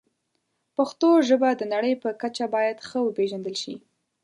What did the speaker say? پښتو ژبه د نړۍ په کچه باید ښه وپیژندل شي.